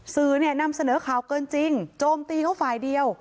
สื่อเนี่ยนำเสนอข่าวเกินจริงโจมตีเขาฝ่ายเดียว